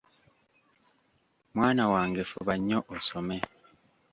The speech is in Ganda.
Mwana wange fuba nnyo osome.